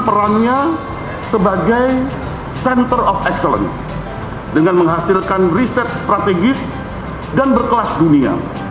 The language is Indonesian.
perannya sebagai center of excellence dengan menghasilkan riset strategis dan berkelas dunia